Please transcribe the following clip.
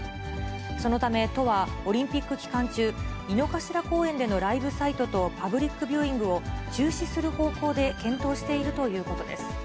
そのため都は、オリンピック期間中、井の頭公園でのライブサイトとパブリックビューイングを中止する方向で検討しているということです。